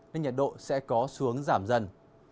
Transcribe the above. nên nhiệt độ sẽ có xuống giảm dần